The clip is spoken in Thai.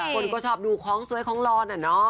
คนก็ชอบดูของสวยของร้อนอะเนาะ